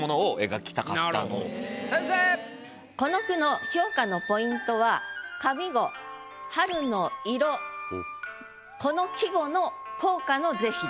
この句の評価のポイントは上五「春の色」この季語の効果の是非です。